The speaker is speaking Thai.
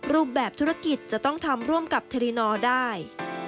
รูปแบบธุรกิจจะต้องทำร่วมกับเทรีนอร์ได้